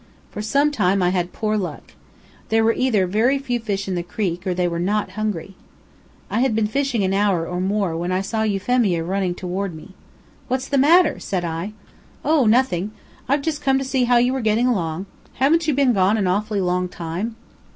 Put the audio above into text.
For some time I had poor luck. There were either very few fish in the creek, or they were not hungry. I had been fishing an hour or more when I saw Euphemia running toward me. "What's the matter?" said I. "Oh! nothing. I've just come to see how you were getting along. Haven't you been gone an awfully long time?